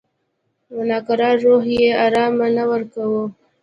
ناکراره روح یې آرام نه ورکاوه.